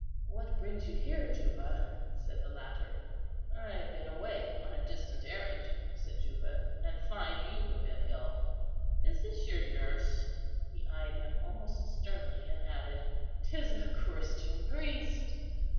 "What brings you here, Juba?" said the latter. "I have been away on a distant errand," said Juba; "and find you have been ill. Is this your nurse?" he eyed him almost sternly, and added, "'Tis a Christian priest."